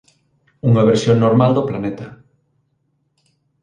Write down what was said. unha versión normal do planeta